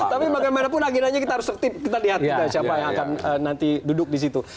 tapi bagaimanapun akhirnya kita harus nanti kita lihat siapa yang akan nanti duduk disitu